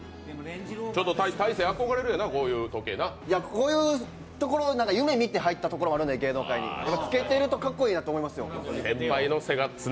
こういうところに夢見て芸能界に入ったところもあるので着けてるとかっこいいなと思いますよ。